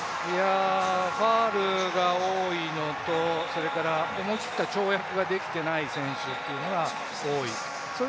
ファウルが多いのと、思い切った跳躍ができていない選手が多い。